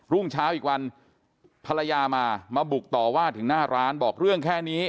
รุ่งเช้าอีกวันภรรยามามาบุกต่อว่าถึงหน้าร้านบอกเรื่องแค่นี้